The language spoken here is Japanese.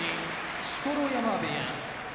錣山部屋